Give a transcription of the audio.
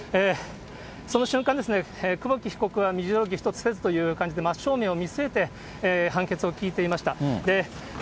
その瞬間ですね、久保木被告は身じろぎ一つせずといった感じで、真っ正面を見据えて判決を聞いていました。